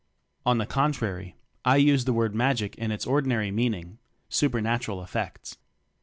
On the contrary, I use the word "magic" in its ordinary meaning supernatural effects.